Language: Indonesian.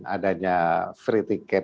adanya free ticket